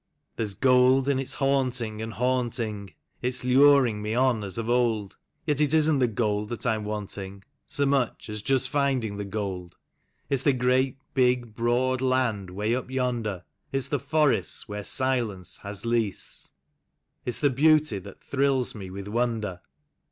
18 THE SPELL OF THE YUKON. There's gold, and it's haunting and haunting; It's luring me on as of old ; Yet it isn't the gold that I'm wanting, So much as just finding the gold. It's the great, big, broad land 'way up yonder, It's the forests where silence has lease; It's the beauty that thrills me with wonder.